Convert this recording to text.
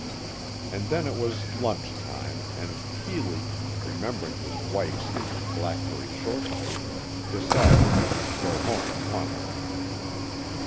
And then it was lunch time, and Keeley, remembering his wife's hint of blackberry shortcake, decided we must go home at once.